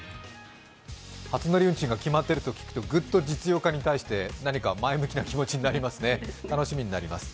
初乗り運賃が決まっているというと、グッと実用化に向けて何か前向きな気持ちになりますね、楽しみになります。